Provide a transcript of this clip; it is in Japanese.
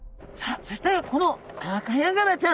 そしてこのアカヤガラちゃん。